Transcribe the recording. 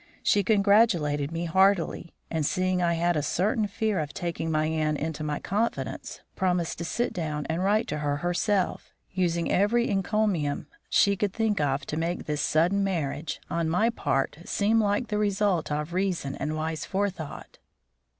She congratulated me heartily, and, seeing I had a certain fear of taking my aunt into my confidence, promised to sit down and write to her herself, using every encomium she could think of to make this sudden marriage, on my part, seem like the result of reason and wise forethought.